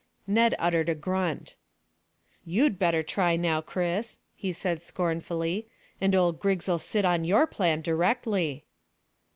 Ned uttered a grunt. "You'd better try now, Chris," he said scornfully, "and old Griggs'll sit upon your plan directly."